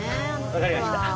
分かりました。